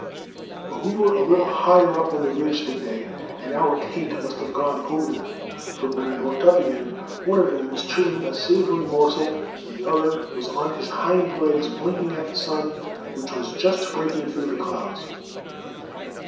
But we were a little higher up on the ridge than they and our taint must have gone over them, for when I looked up again one of them was chewing a savory morsel, and the other was on his hind legs blinking at the sun, which was just breaking through the clouds.